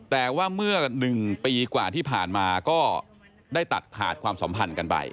แต่ว่าเมื่อ๑ปีกว่าที่ผ่านมาก็ได้ตัดขาดความสัมพันธ์กันไป